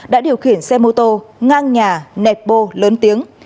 đã điều khiển xe mô tô ngang nhà nẹp bô lớn tiếng